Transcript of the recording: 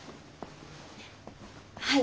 はい。